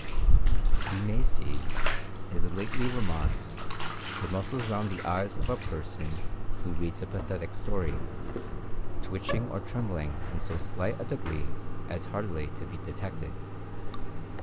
We may see, as lately remarked, the muscles round the eyes of a person who reads a pathetic story, twitching or trembling in so slight a degree as hardly to be detected.